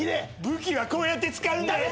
武器はこうやって使うんだよ。